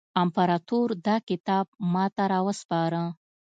امپراطور دا کتاب ماته را وسپاره.